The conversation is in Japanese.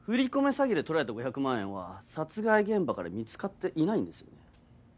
詐欺で取られた５００万円は殺害現場から見つかっていないんですよね？